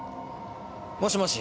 もしもし。